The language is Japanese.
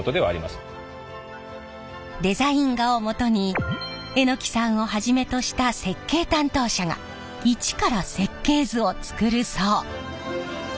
デザイン画をもとに榎さんをはじめとした設計担当者が一から設計図を作るそう。